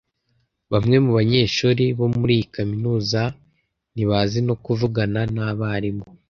Bamwe mubanyeshuri bo muri iyi kaminuza ntibazi no kuvugana nabarimu.